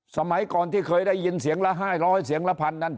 สมัยก่อนที่เคยได้ยินเสียงละ๕๐๐เสียงละพันนั้น